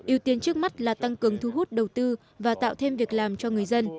yêu tiên trước mắt là tăng cường thu hút đầu tư và tạo thêm việc làm cho người dân